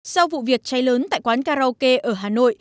sau vụ việc cháy lớn tại quán karaoke ở hà nội